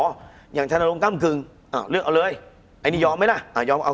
คุณผู้ชมบางท่าอาจจะไม่เข้าใจที่พิเตียร์สาร